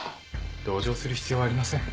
同情する必要はありません。